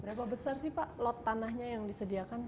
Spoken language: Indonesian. berapa besar sih pak lot tanahnya yang disediakan